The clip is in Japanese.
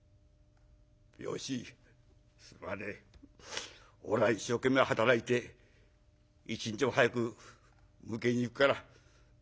「芳すまねえ。おら一生懸命働いて一日も早く迎えに行くから。